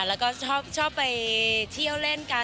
แล้วก็ชอบไปเที่ยวเล่นกัน